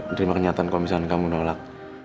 nerima kenyataan kalo misalkan kamu menolak